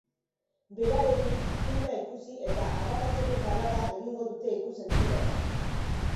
Berarekin, filma ikusi eta arakatzeko parada egingo dute ikus-entzuleek.